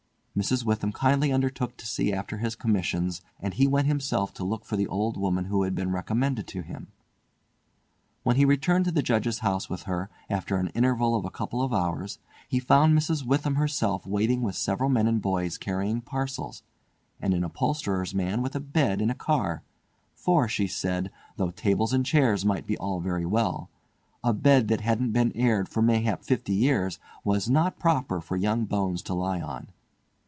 Mrs. Witham kindly undertook to see after his commissions, and he went himself to look for the old woman who had been recommended to him. When he returned to the Judge's House with her, after an interval of a couple of hours, he found Mrs. Witham herself waiting with several men and boys carrying parcels, and an upholsterer's man with a bed in a car, for she said, though tables and chairs might be all very well, a bed that hadn't been aired for mayhap fifty years was not proper for young bones to lie on.